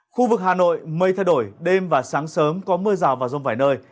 khu vực hà nội mây thay đổi đêm và sáng sớm có mưa rào và rông vài nơi